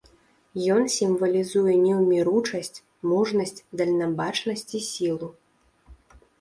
Ён сімвалізуе неўміручасць, мужнасць, дальнабачнасць і сілу.